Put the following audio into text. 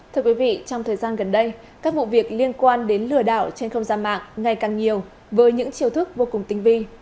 thưa quý vị trong thời gian gần đây các vụ việc liên quan đến lừa đảo trên không gian mạng ngày càng nhiều với những chiêu thức vô cùng tinh vi